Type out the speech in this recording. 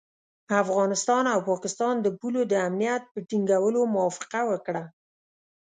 افغانستان او پاکستان د پولو د امنیت په ټینګولو موافقه وکړه.